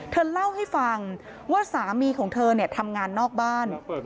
เธอเล่าให้ฟังว่าสามีของเธอเนี่ยทำงานนอกบ้าน